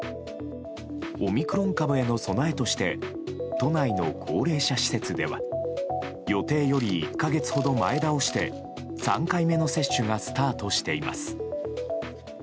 オミクロン株への備えとして都内の高齢者施設では予定より１か月ほど前倒して３回目の接種がスタートしています。